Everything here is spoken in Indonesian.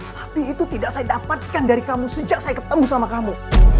tapi itu tidak saya dapatkan dari kamu sejak saya ketemu sama kamu